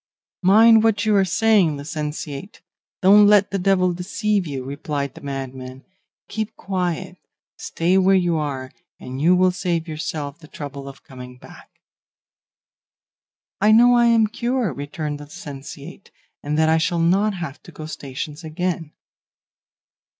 "'Mind what you are saying, licentiate; don't let the devil deceive you,' replied the madman. 'Keep quiet, stay where you are, and you will save yourself the trouble of coming back.' "'I know I am cured,' returned the licentiate, 'and that I shall not have to go stations again.